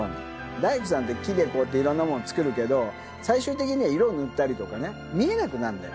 大工さんって木でこうやっていろんなもの作るけど、最終的には色を塗ったりとかね、見えなくなるんだよ。